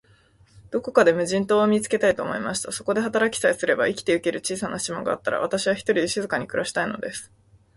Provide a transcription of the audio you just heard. どこか無人島を見つけたい、と思いました。そこで働きさえすれば、生きてゆける小さな島があったら、私は、ひとりで静かに暮したいのです。